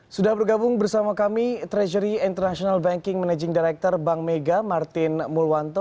sudah bergabung bersama kami treasury international banking managing director bank mega martin mulwanto